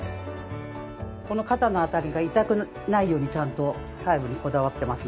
この肩の辺りが痛くないようにちゃんと細部にこだわってますので。